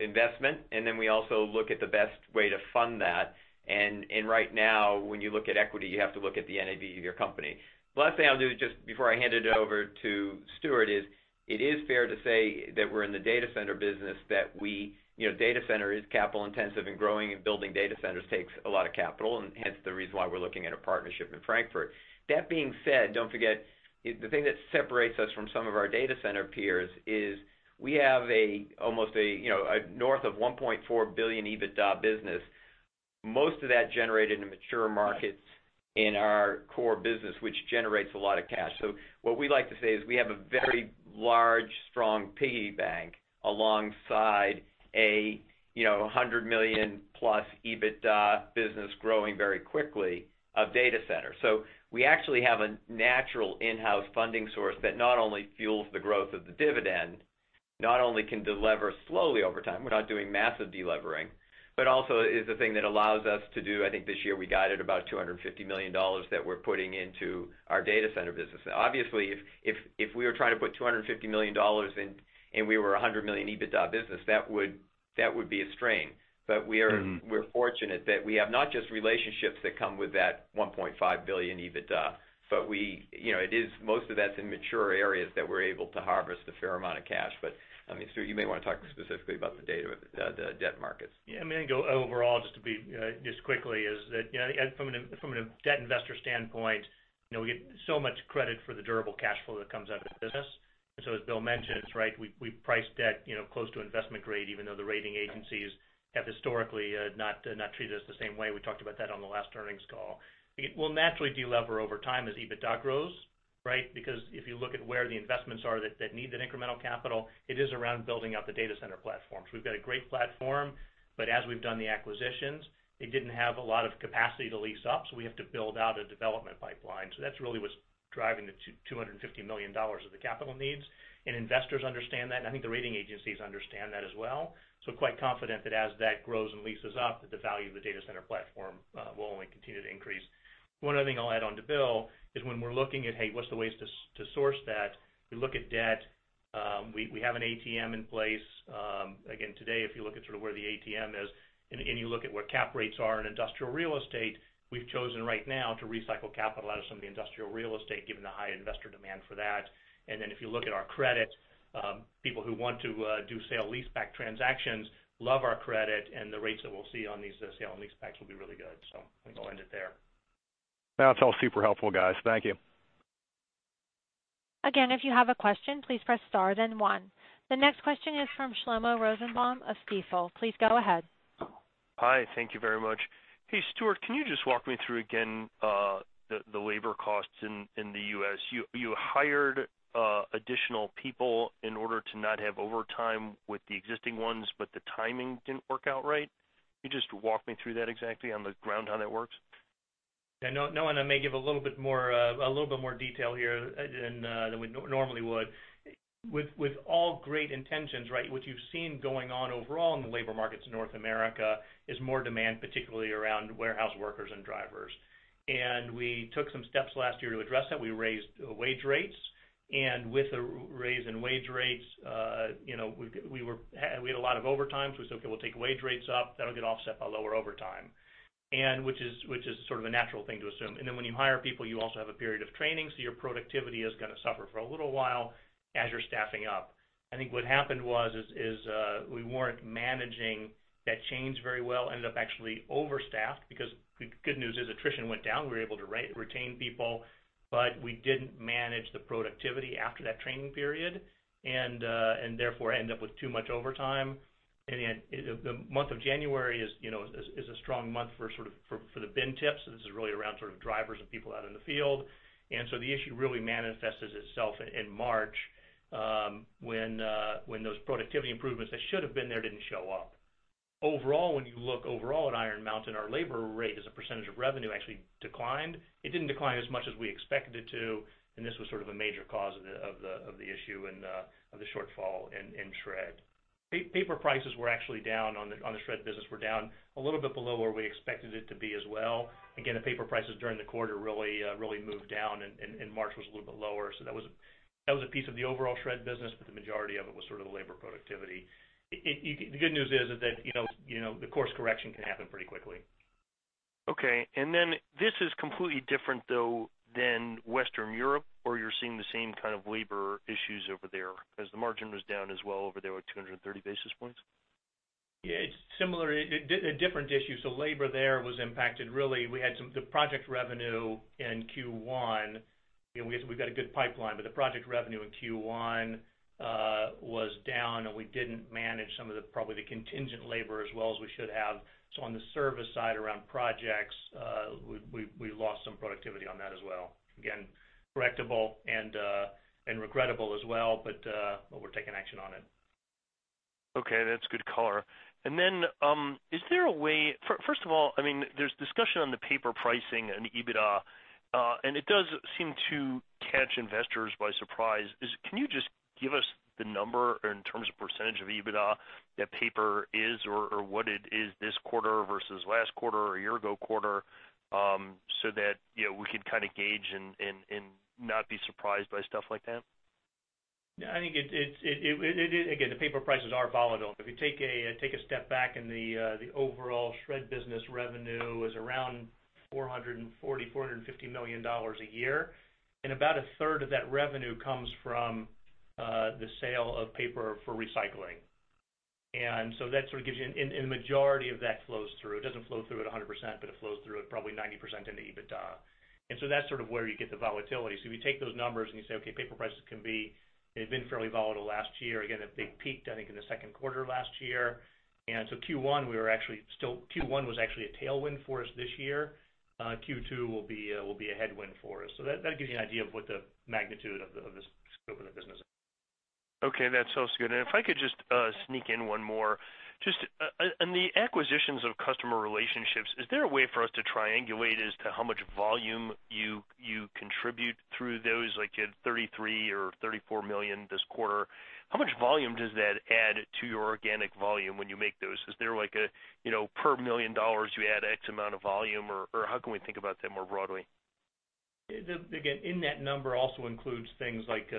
investment, and then we also look at the best way to fund that. Right now, when you look at equity, you have to look at the NAV of your company. The last thing I'll do just before I hand it over to Stuart is, it is fair to say that we're in the data center business, that data center is capital intensive, and growing and building data centers takes a lot of capital, and hence the reason why we're looking at a partnership in Frankfurt. That being said, don't forget, the thing that separates us from some of our data center peers is we have almost a north of $1.4 billion EBITDA business. Most of that generated in mature markets in our core business, which generates a lot of cash. What we like to say is we have a very large, strong piggy bank alongside a $100 million-plus EBITDA business growing very quickly of data centers. We actually have a natural in-house funding source that not only fuels the growth of the dividend, not only can delever slowly over time, we're not doing massive delevering, but also is the thing that allows us to do, I think this year we guided about $250 million that we're putting into our data center business. Obviously, if we were trying to put $250 million in, and we were a $100 million EBITDA business, that would be a strain. We're fortunate that we have not just relationships that come with that $1.5 billion EBITDA, but most of that's in mature areas that we're able to harvest a fair amount of cash. Stuart, you may want to talk specifically about the data, the debt markets. Yeah. I mean, go overall just quickly is that, from a debt investor standpoint, we get so much credit for the durable cash flow that comes out of the business. As Bill mentioned, it's right, we price debt close to investment grade, even though the rating agencies have historically not treated us the same way. We talked about that on the last earnings call. We'll naturally delever over time as EBITDA grows. Because if you look at where the investments are that need that incremental capital, it is around building out the data center platform. We've got a great platform, but as we've done the acquisitions, it didn't have a lot of capacity to lease up, so we have to build out a development pipeline. That's really what's driving the $250 million of the capital needs. Investors understand that, I think the rating agencies understand that as well. Quite confident that as that grows and leases up, the value of the data center platform will only continue to increase. One other thing I'll add on to Bill is when we're looking at, hey, what's the ways to source that? We look at debt. We have an ATM in place. Again, today, if you look at sort of where the ATM is and you look at where cap rates are in industrial real estate, we've chosen right now to recycle capital out of some of the industrial real estate, given the high investor demand for that. If you look at our credit, people who want to do sale leaseback transactions love our credit, the rates that we'll see on these sale and leasebacks will be really good. I think I'll end it there. That's all super helpful, guys. Thank you. Again, if you have a question, please press star then one. The next question is from Shlomo Rosenbaum of Stifel. Please go ahead. Hi. Thank you very much. Hey, Stuart, can you just walk me through again, the labor costs in the U.S.? You hired additional people in order to not have overtime with the existing ones, but the timing didn't work out right. Can you just walk me through that exactly on the ground, how that works? Yeah. Knowing I may give a little bit more detail here than we normally would. With all great intentions, what you've seen going on overall in the labor markets in North America is more demand, particularly around warehouse workers and drivers. We took some steps last year to address that. We raised wage rates, and with the raise in wage rates, we had a lot of overtime. We said, "Okay, we'll take wage rates up. That'll get offset by lower overtime." Which is sort of a natural thing to assume. When you hire people, you also have a period of training, so your productivity is going to suffer for a little while as you're staffing up. I think what happened was, we weren't managing that change very well, ended up actually overstaffed because the good news is attrition went down. We were able to retain people, but we didn't manage the productivity after that training period, and therefore, ended up with too much overtime. The month of January is a strong month for the bin tips. This is really around sort of drivers of people out in the field. The issue really manifested itself in March, when those productivity improvements that should have been there didn't show up. Overall, when you look overall at Iron Mountain, our labor rate as a % of revenue actually declined. It didn't decline as much as we expected it to, and this was sort of a major cause of the issue and the shortfall in shred. Paper prices were actually down on the shred business, were down a little bit below where we expected it to be as well. Again, the paper prices during the quarter really moved down, March was a little bit lower. That was a piece of the overall shred business, but the majority of it was sort of the labor productivity. The good news is that the course correction can happen pretty quickly. Okay. This is completely different, though, than Western Europe, or you're seeing the same kind of labor issues over there as the margin was down as well over there with 230 basis points? Yeah. It's similar. A different issue. Labor there was impacted. Really, the project revenue in Q1, we've got a good pipeline, but the project revenue in Q1 was down, and we didn't manage some of the, probably the contingent labor as well as we should have. On the service side around projects, we lost some productivity on that as well. Again, correctable and regrettable as well, but we're taking action on it. Okay, that's good color. First of all, there's discussion on the paper pricing and EBITDA, and it does seem to catch investors by surprise. Can you just give us the number in terms of % of EBITDA that paper is or what it is this quarter versus last quarter or a year ago quarter, so that we can kind of gauge and not be surprised by stuff like that? Yeah. I think, again, the paper prices are volatile. If you take a step back in the overall shred business revenue is around $440 million-$450 million a year, and about a third of that revenue comes from the sale of paper for recycling. That sort of gives you, and the majority of that flows through. It doesn't flow through at 100%, but it flows through at probably 90% into EBITDA. That's sort of where you get the volatility. If you take those numbers and you say, okay, paper prices, they've been fairly volatile last year. Again, a big peak, I think, in the second quarter of last year. Q1 was actually a tailwind for us this year. Q2 will be a headwind for us. That gives you an idea of what the magnitude of the scope of the business is. Okay, that sounds good. If I could just sneak in one more. Just on the acquisitions of customer relationships, is there a way for us to triangulate as to how much volume you contribute through those, like you had 33 million or 34 million this quarter? How much volume does that add to your organic volume when you make those? Is there like a per $1 million you add X amount of volume, or how can we think about that more broadly? In that number also includes things like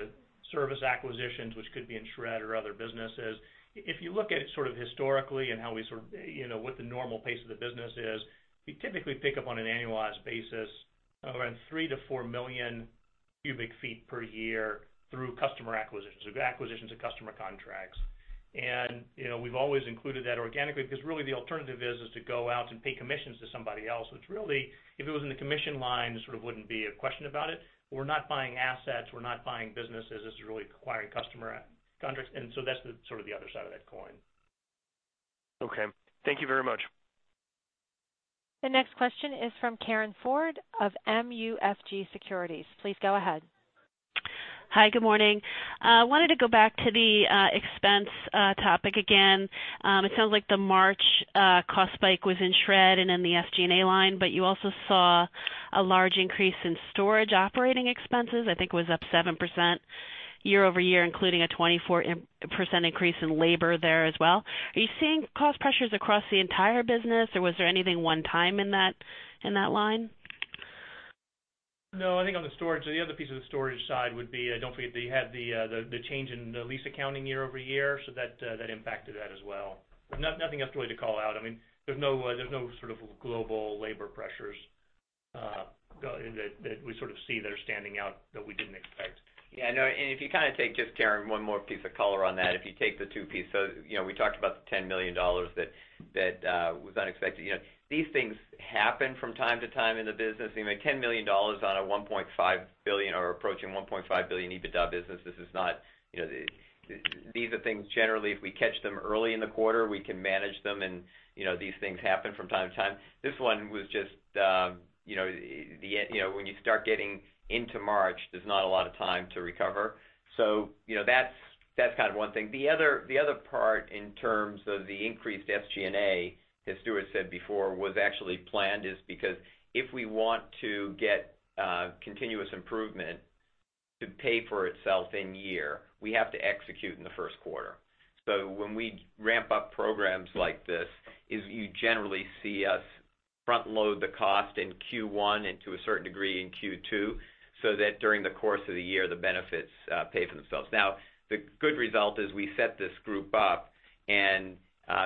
service acquisitions, which could be in shred or other businesses. If you look at it sort of historically and what the normal pace of the business is, we typically pick up on an annualized basis around 3 million to 4 million cubic feet per year through customer acquisitions, through acquisitions of customer contracts. We've always included that organically because really the alternative is to go out and pay commissions to somebody else, which really, if it was in the commission line, there sort of wouldn't be a question about it. We're not buying assets, we're not buying businesses. This is really acquiring customer contracts, so that's the sort of the other side of that coin. Okay. Thank you very much. The next question is from Karin Ford of MUFG Securities. Please go ahead. Hi, good morning. I wanted to go back to the expense topic again. It sounds like the March cost spike was in shred and in the SG&A line, but you also saw a large increase in storage operating expenses. I think it was up 7% year-over-year, including a 24% increase in labor there as well. Are you seeing cost pressures across the entire business, or was there anything one time in that line? No, I think on the storage, the other piece of the storage side would be, don't forget, they had the change in the lease accounting year-over-year, so that impacted that as well. Nothing else really to call out. There's no sort of global labor pressures that we sort of see that are standing out that we didn't expect. Yeah, I know. If you kind of take just, Karin, one more piece of color on that. If you take the two pieces, we talked about the $10 million that was unexpected. These things happen from time to time in the business. $10 million on a $1.5 billion or approaching $1.5 billion EBITDA business. These are things generally, if we catch them early in the quarter, we can manage them and these things happen from time to time. This one was just when you start getting into March, there's not a lot of time to recover. That's kind of one thing. The other part in terms of the increased SG&A, as Stuart said before, was actually planned is because if we want to get continuous improvement to pay for itself in year, we have to execute in the first quarter. When we ramp up programs like this, is you generally see us front load the cost in Q1 and to a certain degree in Q2, so that during the course of the year, the benefits pay for themselves. Now, the good result is we set this group up, and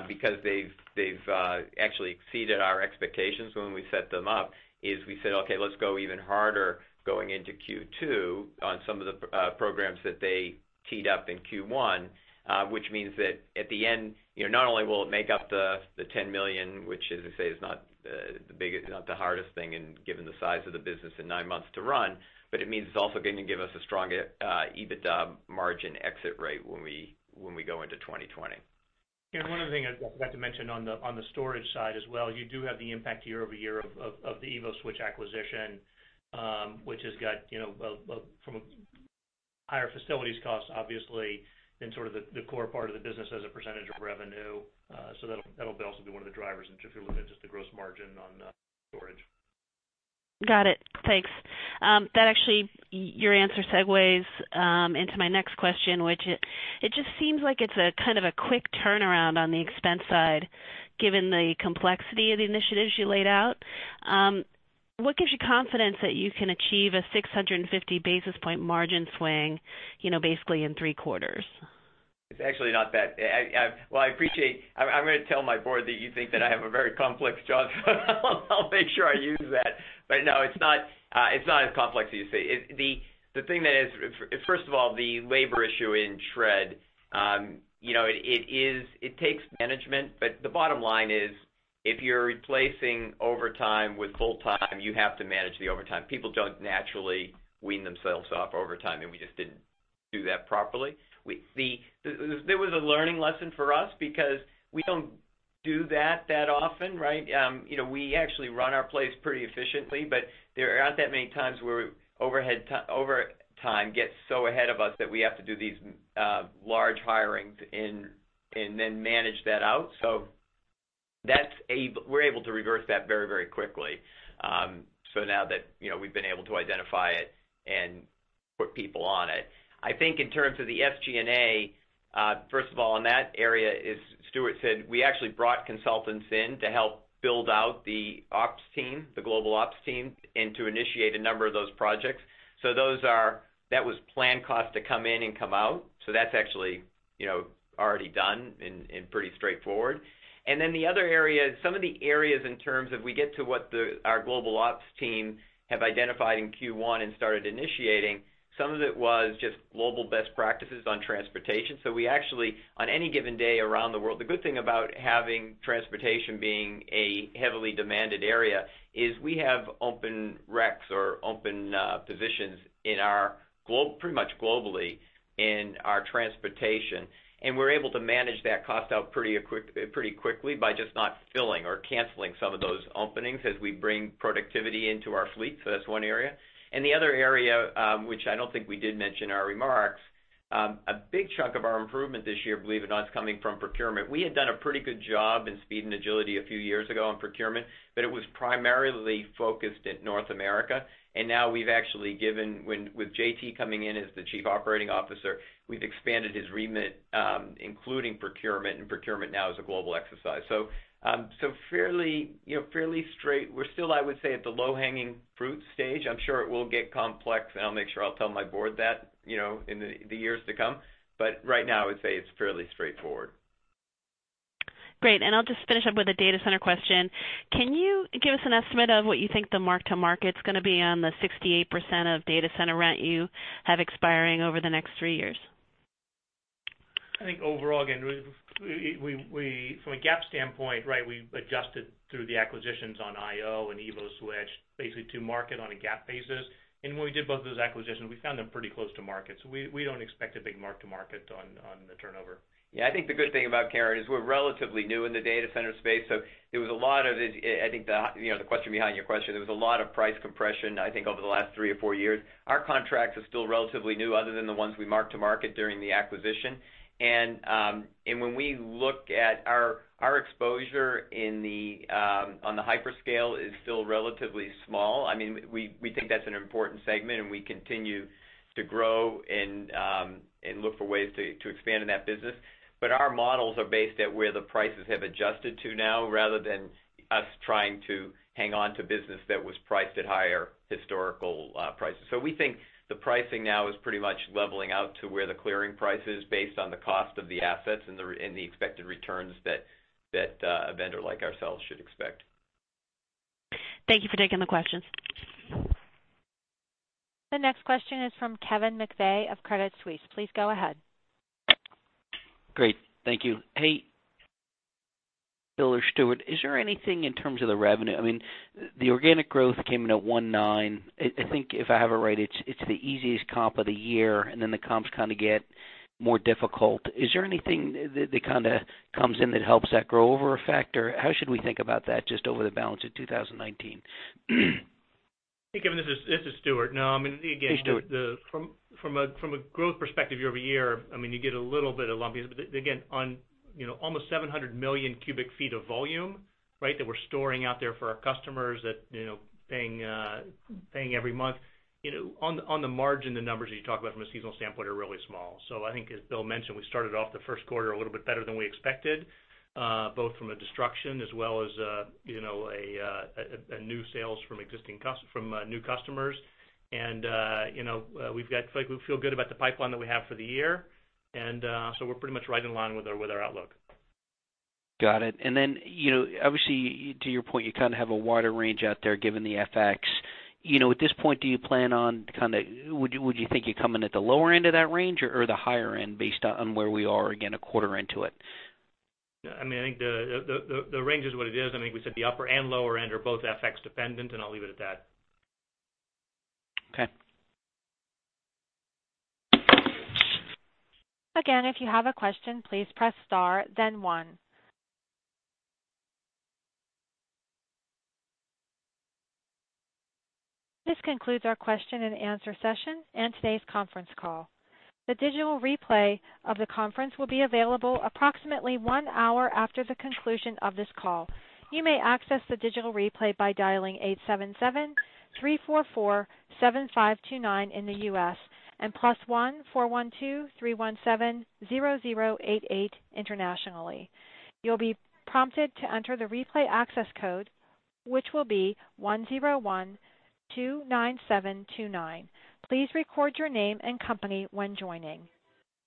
because they've actually exceeded our expectations when we set them up, is we said, "Okay, let's go even harder going into Q2 on some of the programs that they teed up in Q1," which means that at the end, not only will it make up the $10 million, which as I say is not the hardest thing given the size of the business in nine months to run, but it means it's also going to give us a stronger EBITDA margin exit rate when we go into 2020. One other thing I forgot to mention on the storage side as well, you do have the impact year-over-year of the EvoSwitch acquisition, which has got from a higher facilities cost, obviously, than sort of the core part of the business as a percentage of revenue. That'll also be one of the drivers if you're looking at just the gross margin on storage. Got it. Thanks. That actually, your answer segues into my next question, which it just seems like it's a kind of a quick turnaround on the expense side, given the complexity of the initiatives you laid out. What gives you confidence that you can achieve a 650 basis point margin swing, basically in three quarters? It's actually not that. Well, I appreciate. I'm going to tell my board that you think that I have a very complex job. I'll make sure I use that. No, it's not as complex as you say. First of all, the labor issue in shred. It takes management, but the bottom line is, if you're replacing overtime with full-time, you have to manage the overtime. People don't naturally wean themselves off overtime, and we just didn't do that properly. There was a learning lesson for us because we don't do that that often, right? We actually run our place pretty efficiently, but there aren't that many times where overtime gets so ahead of us that we have to do these large hirings and then manage that out. We're able to reverse that very quickly. Now that we've been able to identify it and put people on it. I think in terms of the SG&A, first of all in that area, as Stuart said, we actually brought consultants in to help build out the ops team, the global ops team, and to initiate a number of those projects. That was planned cost to come in and come out. That's actually already done and pretty straightforward. Then the other area is some of the areas in terms of we get to what our global ops team have identified in Q1 and started initiating. Some of it was just global best practices on transportation. We actually on any given day around the world. The good thing about having transportation being a heavily demanded area is we have open recs or open positions pretty much globally in our transportation. We're able to manage that cost out pretty quickly by just not filling or canceling some of those openings as we bring productivity into our fleet. That's one area. The other area, which I don't think we did mention in our remarks. A big chunk of our improvement this year, believe it or not, is coming from procurement. We had done a pretty good job in Speed and Agility a few years ago on procurement, but it was primarily focused at North America. Now we've actually given, with JT coming in as the Chief Operating Officer, we've expanded his remit including procurement, and procurement now is a global exercise. Fairly straight. We're still, I would say, at the low-hanging fruit stage. I'm sure it will get complex, and I'll make sure I'll tell my board that in the years to come. Right now, I would say it's fairly straightforward. Great. I'll just finish up with a data center question. Can you give us an estimate of what you think the mark to market's going to be on the 68% of data center rent you have expiring over the next three years? I think overall, again, from a GAAP standpoint, we adjusted through the acquisitions on IO and EvoSwitch basically to market on a GAAP basis. When we did both of those acquisitions, we found them pretty close to market. We don't expect a big mark to market on the turnover. Yeah, I think the good thing about, Karin, is we're relatively new in the data center space. I think the question behind your question, there was a lot of price compression, I think over the last three or four years. Our contracts are still relatively new, other than the ones we marked to market during the acquisition. When we look at our exposure on the hyperscale is still relatively small. We think that's an important segment, and we continue to grow and look for ways to expand in that business. Our models are based at where the prices have adjusted to now, rather than us trying to hang on to business that was priced at higher historical prices. We think the pricing now is pretty much leveling out to where the clearing price is based on the cost of the assets and the expected returns that a vendor like ourselves should expect. Thank you for taking the questions. The next question is from Kevin McVeigh of Credit Suisse. Please go ahead. Great. Thank you. Hey, Bill or Stuart, is there anything in terms of the revenue? The organic growth came in at 1.9%. I think if I have it right, it's the easiest comp of the year, then the comps kind of get more difficult. Is there anything that kind of comes in that helps that grow over a factor? How should we think about that just over the balance of 2019? Hey, Kevin McVeigh, this is Stuart. Hey, Stuart. From a growth perspective year-over-year, you get a little bit of lumpiness. Again, on almost 700 million cubic feet of volume that we're storing out there for our customers that paying every month. On the margin, the numbers that you talk about from a seasonal standpoint are really small. I think as Bill mentioned, we started off the first quarter a little bit better than we expected, both from a destruction as well as a new sales from new customers. We feel good about the pipeline that we have for the year. We're pretty much right in line with our outlook. Got it. Then, obviously, to your point, you kind of have a wider range out there given the FX. At this point, would you think you're coming at the lower end of that range or the higher end based on where we are again a quarter into it? I think the range is what it is. We said the upper and lower end are both FX dependent, I'll leave it at that. Okay. Again, if you have a question, please press star then one. This concludes our question and answer session and today's conference call. The digital replay of the conference will be available approximately one hour after the conclusion of this call. You may access the digital replay by dialing 877-344-7529 in the U.S. and +1-412-317-0088 internationally. You'll be prompted to enter the replay access code, which will be 10129729. Please record your name and company when joining.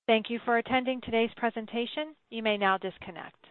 Thank you for attending today's presentation. You may now disconnect.